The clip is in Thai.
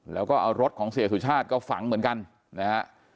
แล้วก็เอารถของเสียสุชาติก็ฝังเหมือนกันนะฮะ